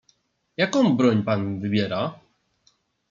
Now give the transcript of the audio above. "Jaką broń pan wybiera?"